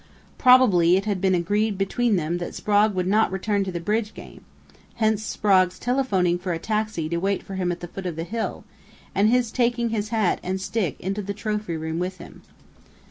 Probably it had been agreed between them that Sprague would not return to the bridge game, hence Sprague's telephoning for a taxi to wait for him at the foot of the hill, and his taking his hat and stick into the trophy room with him."